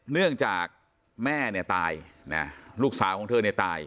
เนื่องจากแม่เนี่ยตายนะลูกสาวของเธอเนี่ยตาย